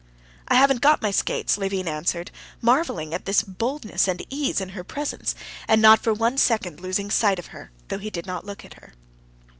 "I haven't got my skates," Levin answered, marveling at this boldness and ease in her presence, and not for one second losing sight of her, though he did not look at her.